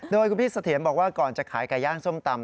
โดยคุณพี่เสถียรบอกว่าก่อนจะขายไก่ย่างส้มตำ